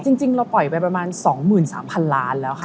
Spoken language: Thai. จริงเราปล่อยไปประมาณสองหมื่นสามพันล้านแล้วค่ะ